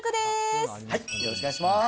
よろしくお願いします。